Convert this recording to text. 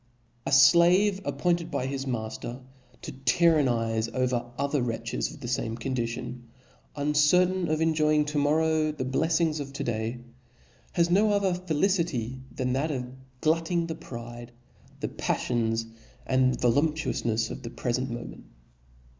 A flave appointed by hisiib""3V mafter to tyrannize over other wretches of the fame condition, uncertain of enjoying to morrow the bleffings of to day, has no other felicity than that ofglutting the pride, the paffions and voiuptuouf ncfs of the prefent moment.